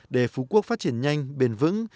để phú quốc phát triển nhanh bền vững